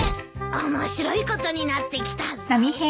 面白いことになってきたぞ。